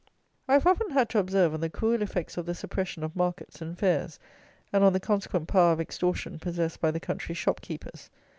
I have often had to observe on the cruel effects of the suppression of markets and fairs, and on the consequent power of extortion possessed by the country shop keepers.